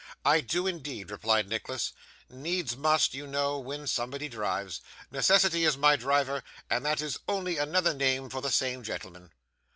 'I do, indeed,' replied Nicholas. 'Needs must, you know, when somebody drives. Necessity is my driver, and that is only another name for the same gentleman.